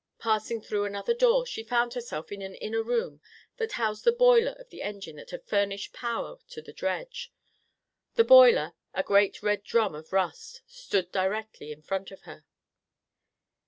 Passing through another door, she found herself in an inner room that housed the boiler of the engine that had furnished power to the dredge. The boiler, a great red drum of rust, stood directly in front of her.